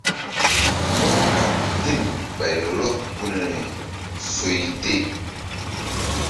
Mú kqɓ tem ɓay rɔk gunri soy te.